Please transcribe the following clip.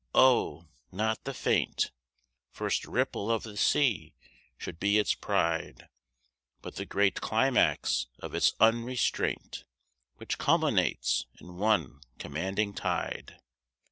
Oh! not the faint First ripple of the sea should be its pride, But the great climax of its unrestraint, Which culminates in one commanding tide.